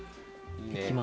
いきます。